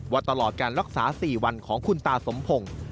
ตลอดการรักษา๔วันของคุณตาสมพงศ์